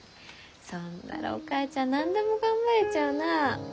そんならお母ちゃん何でも頑張れちゃうな。